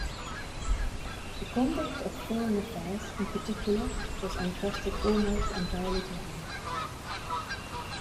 The conduct of foreign affairs in particular was entrusted almost entirely to him.